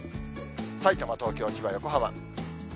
さいたま、東京、千葉、横浜。